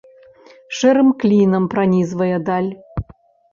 Шэрым клінам пранізвае даль.